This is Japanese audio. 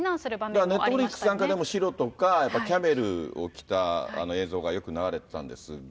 だからネットフリックスなんかでも、白とか、やっぱりキャメルを着た映像がよく流れてたんですが。